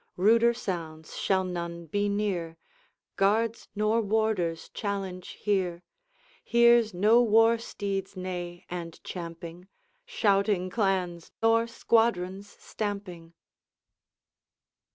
Ruder sounds shall none be near, Guards nor warders challenge here, Here's no war steed's neigh and champing, Shouting clans or squadrons stamping.'